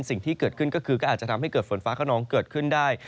สิ่งที่เกิดขึ้นก็คือก็อาจจะทำให้เกิดฝนฟ้าขนองเกิดขึ้นได้